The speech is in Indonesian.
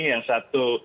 yang pertama adalah